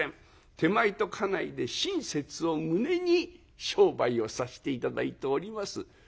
手前と家内で親切をむねに商売をさせて頂いております」。